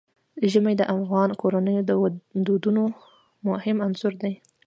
ژمی د افغان کورنیو د دودونو مهم عنصر دی.